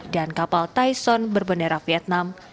kapal tyson berbendera vietnam